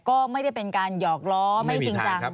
ก็ไม่ได้เป็นการหยอกล้อไม่จริงจัง